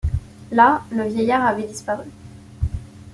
Là, le vieillard avait disparu.